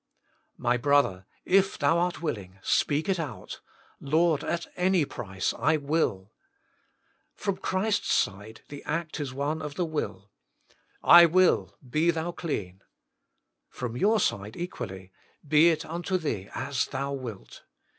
My brother, if thou art willing, speak it out :" Lord ! at any price, I will !" From Christ s side the act is 100 THE MINISTRY OF INTERCESSION one of the will :" I will, be thou clean." From your side equally :" Be it unto thee as thou wilt."